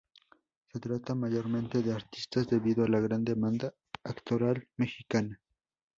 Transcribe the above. Se trata mayormente de artistas, debido a la gran demanda actoral mexicana.